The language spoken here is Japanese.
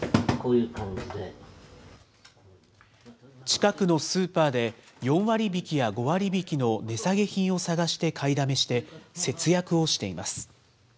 近くのスーパーで４割引きや５割引きの値下げ品を探して買いだめして、節約をしています。